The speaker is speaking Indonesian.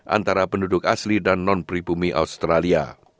antara penduduk asli dan non pribumi australia